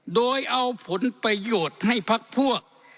โดยเอาผลประโยชน์ให้พักพวก